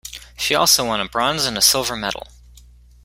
She also won a bronze and a silver medal.